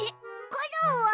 コロンは？